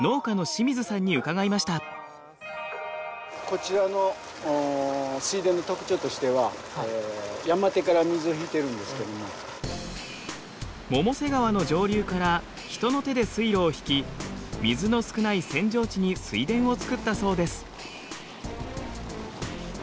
こちらの水田の特徴としては百瀬川の上流から人の手で水路を引き水の少ない扇状地に水田を作ったそうです。